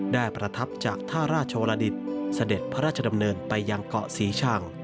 ประทับจากท่าราชวรดิตเสด็จพระราชดำเนินไปยังเกาะศรีชัง